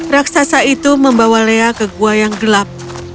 raksasa itu membawa lea ke gua yang gelap